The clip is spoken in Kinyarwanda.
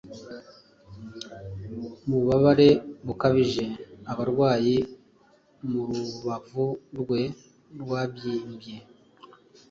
Mububabare bukabije abarwayi; Mu rubavu rwe rwabyimbye,